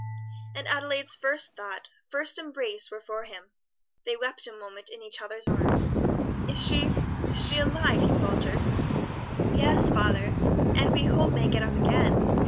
And Adelaide's first thought, first embrace, were for him. They wept a moment in each other's arms. "Is she is she alive?" he faltered. "Yes, father, and we hope may get up again.